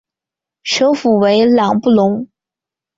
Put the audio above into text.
首府为朗布隆。